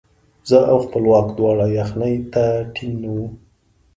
زه او خپلواک دواړه یخنۍ ته ټینګ نه وو.